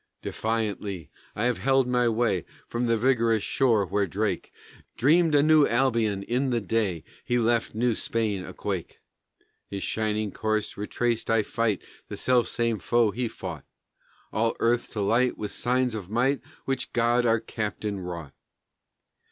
Defiantly I have held my way From the vigorous shore where Drake Dreamed a New Albion in the day He left New Spain a quake; His shining course retraced, I fight The self same foe he fought, All earth to light with signs of might Which God our Captain wrought.